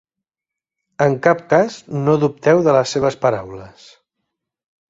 En cap cas no dubteu de les seves paraules.